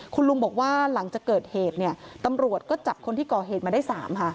คุณลุงบอกว่าหลังจากเกิดเหตุเนี่ยตำรวจก็จับคนที่ก่อเหตุมาได้๓ค่ะ